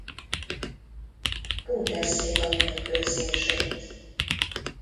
Bundesliga mérkőzését.